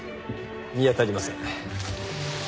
見当たりません。